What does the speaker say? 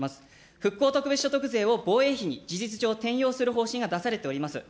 復興特別所得税を防衛費に事実上転用する方針が出されております。